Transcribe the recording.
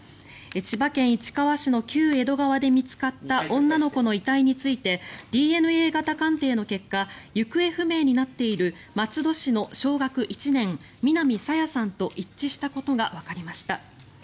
千葉県市川市の旧江戸川で見つかった女の子の遺体についてＤＮＡ型鑑定の結果行方不明になっている松戸市の小学１年、南朝芽さんと一致したことがわかりました。